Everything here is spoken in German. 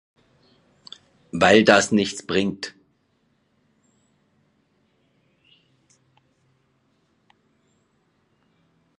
Weil das nichts bringt!